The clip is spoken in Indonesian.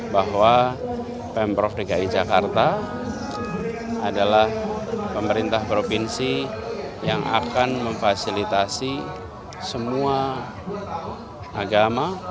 bahwa pemprov dki jakarta adalah pemerintah provinsi yang akan memfasilitasi semua agama